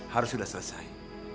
harus sudah selesai